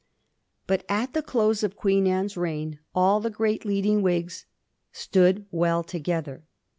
But at the close of Queen Anne's reign all the great lead ing Whigs stood well together.